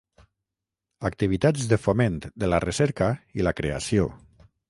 Activitats de foment de la recerca i la creació.